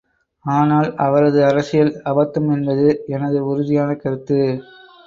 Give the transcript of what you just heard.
ஆனால் அவரது அரசியல், அபத்தம் என்பது எனது உறுதியான கருத்து.